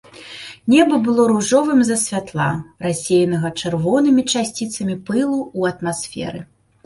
Неба было ружовым з-за святла, рассеянага чырвонымі часціцамі пылу ў атмасферы.